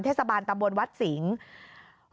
เทศบาลตำบลวัดสิงศ์